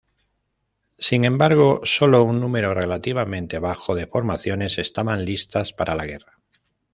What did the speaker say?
Sin embargo, sólo un número relativamente bajo de formaciones estaban listas para la guerra.